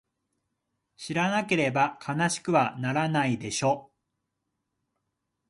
知らなければ悲しくはならないでしょ？